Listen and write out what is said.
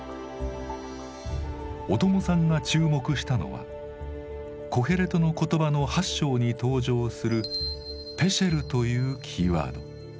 小友さんが注目したのは「コヘレトの言葉」の８章に登場する「ぺシェル」というキーワード。